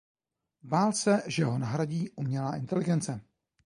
Bál se, že ho nahradí umělá inteligence.